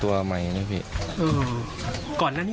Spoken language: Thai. ร้านของรัก